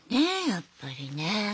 やっぱりね。